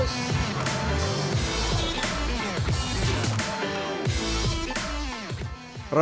rusia mencoba membuat kalowa